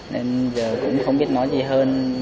nên giờ cũng không biết nói gì hơn